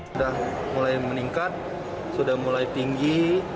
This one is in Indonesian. sudah mulai meningkat sudah mulai tinggi